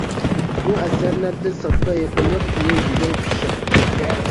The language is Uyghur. بۇ ئەسەرلەر ساددا، يېقىملىق، تىلى گۈزەل، پىششىق.